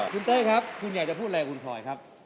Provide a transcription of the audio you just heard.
คุณเต้ครับคุณอยากจะพูดอะไรกับคุณพลอยครับ